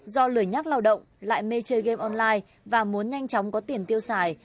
do lời nhắc lao động lại mê chơi game online và muốn nhanh chóng có tiền tiêu xài